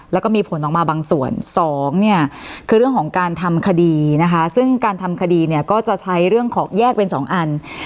แล้วก็มีผลออกมาบางส่วนสองเนี่ยคือเรื่องของการทำคดีนะคะซึ่งการทำคดีเนี่ยก็จะใช้เรื่องของแยกเป็นสองอัน